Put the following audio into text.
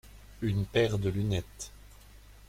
Une paire de lunettes.